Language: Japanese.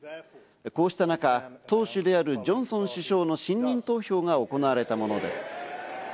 こうした中、党首であるジョンソン首相の信任投票が行われたものです。